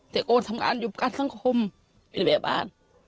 แต่ก็ทำงานอยู่การสังคมเป็นแบบบ้าน